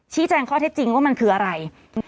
แจ้งข้อเท็จจริงว่ามันคืออะไร